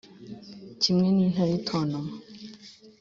kimwe n'intare itontoma